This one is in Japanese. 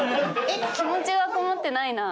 気持ちがこもってないな。